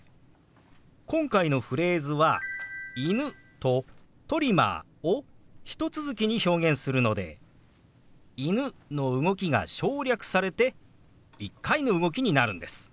今回のフレーズは「犬」と「トリマー」をひと続きに表現するので「犬」の動きが省略されて１回の動きになるんです。